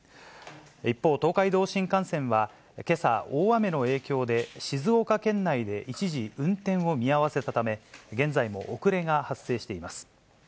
一方、東海道新幹線はけさ、大雨の影響で、静岡県内で一時運転を見合わせたため、現在も遅れが発生しています。